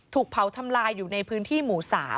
ถูกเผาทำลายอยู่ในพื้นที่หมู่๓